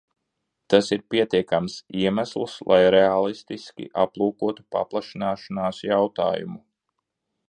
Tas ir pietiekams iemesls, lai reālistiski aplūkotu paplašināšanās jautājumu.